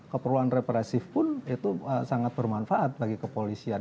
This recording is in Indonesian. keperluan represif pun itu sangat bermanfaat bagi kepolisian